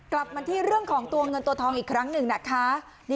กลับมาที่เรื่องของตัวเงินตัวทองอีกครั้งหนึ่งนะคะ